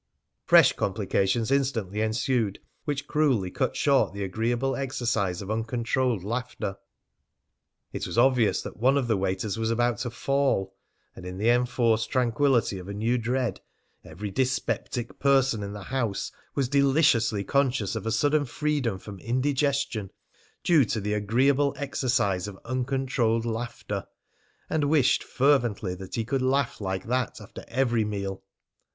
Fresh complications instantly ensued which cruelly cut short the agreeable exercise of uncontrolled laughter. It was obvious that one of the waiters was about to fall. And in the enforced tranquillity of a new dread, every dyspeptic person in the house was deliciously conscious of a sudden freedom from indigestion, due to the agreeable exercise of uncontrolled laughter, and wished fervently that he could laugh like that after every meal.